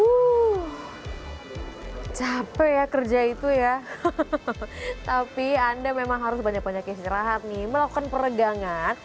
uh capek ya kerja itu ya tapi anda memang harus banyak banyak istirahat nih melakukan peregangan